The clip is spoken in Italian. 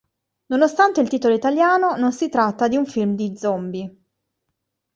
Nonostante il titolo italiano, non si tratta di un film di "zombi".